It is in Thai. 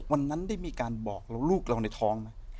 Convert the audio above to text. วันนั้นได้มีการบอกลูกเราในท้องไหม